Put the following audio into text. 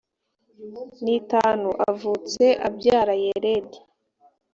n itanu avutse abyara yeredi